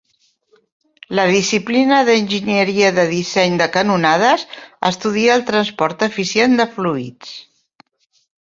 La disciplina d'enginyeria de disseny de canonades estudia el transport eficient de fluids.